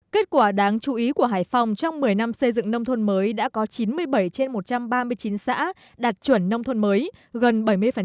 kết quả đáng chú ý của hải phòng trong một mươi năm xây dựng nông thôn mới đã có chín mươi bảy trên một trăm ba mươi chín xã đạt chuẩn nông thôn mới gần bảy mươi